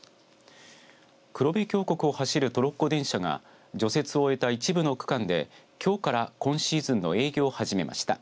黒部峡谷を走るトロッコ電車が除雪を終えた一部の区間できょうから今シーズンの営業を始めました。